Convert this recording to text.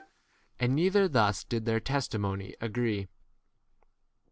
59 And neither thus did their testi 6 <> mony agree.